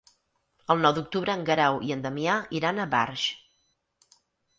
El nou d'octubre en Guerau i en Damià iran a Barx.